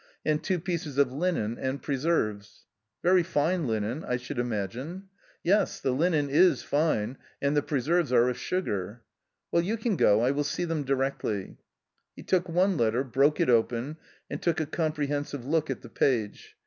" And two pieces of linen, and preserves." " Very fine linen, I should imagine !"" Yes, the linen is fine, and the preserves are of sugar/' " Well, you can go, I will see them directly." He took one letter, broke it open, and took a compre hensive look at the page.